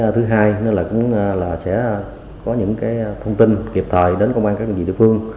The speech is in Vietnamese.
thứ hai là sẽ có những thông tin kịp thời đến công an các địa phương